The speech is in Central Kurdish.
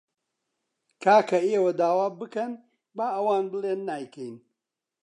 کاکە ئێوە داوا بکەن، با ئەوان بڵێن نایکەین